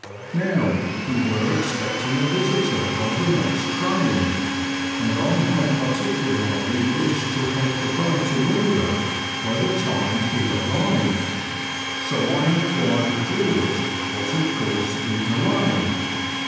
Now, we were expecting a visitor by the next train, and I had particularly wished to have the boat in order by the time he arrived ; so I enquired of George what had caused the delay.